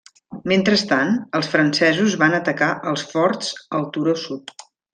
Mentrestant, els francesos van atacar els forts al turó sud.